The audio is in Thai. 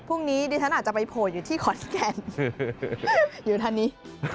พรุ่งนี้ดิฉันอาจจะไปโผล่อยู่ที่ขอนแก่นอยู่ทางนี้